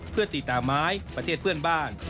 เพื่อตีตามไม้ประเทศเพื่อนบ้าน